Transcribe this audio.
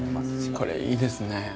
これいいですね。